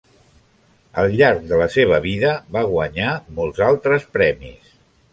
Al llarg de la seva vida va guanyar molts altres premis.